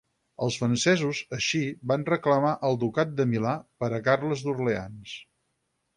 Els francesos així, van reclamar el Ducat de Milà per a Carles d'Orleans.